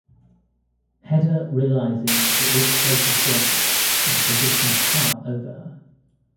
Hedda realizes that this places Brack in a position of power over her.